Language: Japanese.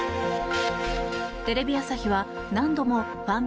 テレビ朝日は、何度もファン